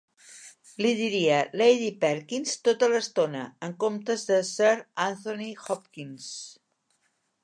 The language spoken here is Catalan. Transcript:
Li diria "Lady Perkins" tota l'estona en comptes de "Sir Anthony Hopkins".